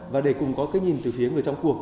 và để cùng có cái nhìn từ phía người trong cuộc